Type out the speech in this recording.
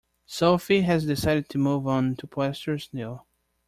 Sophie has decided to move on to pastures new.